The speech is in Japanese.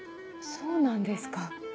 そうなんですか。